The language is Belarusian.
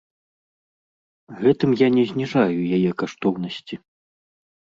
Гэтым я не зніжаю яе каштоўнасці.